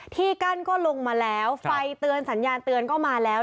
ที่กั้นก็ลงมาแล้วไฟเตือนสัญญาณเตือนก็มาแล้ว